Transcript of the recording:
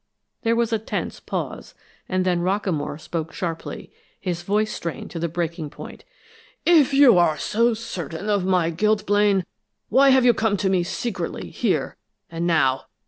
There was a tense pause, and then Rockamore spoke sharply, his voice strained to the breaking point. "If you are so certain of my guilt, Blaine, why have you come to me secretly here and now?